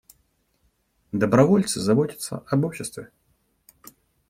Добровольцы заботятся об обществе.